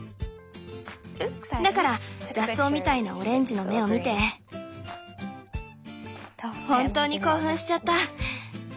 だから雑草みたいなオレンジの芽を見て本当に興奮しちゃった！